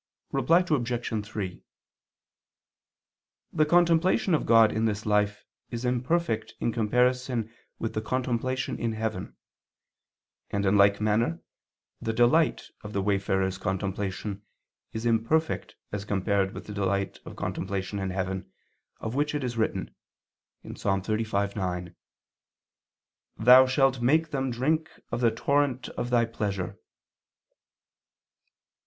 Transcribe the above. Reply Obj. 3: The contemplation of God in this life is imperfect in comparison with the contemplation in heaven; and in like manner the delight of the wayfarer's contemplation is imperfect as compared with the delight of contemplation in heaven, of which it is written (Ps. 35:9): "Thou shalt make them drink of the torrent of Thy pleasure."